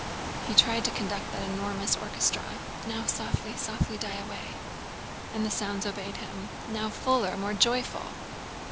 He tried to conduct that enormous orchestra. "Now softly, softly die away!" and the sounds obeyed him. "Now fuller, more joyful.